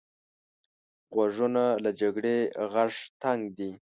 غوږونه له جګړې غږ تنګ دي